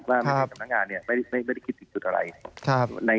ว่าแม่งงานไม่ได้คิดสิ่งจุดอะไร